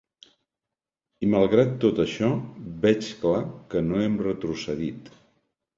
I, malgrat tot això, veig clar que no hem retrocedit.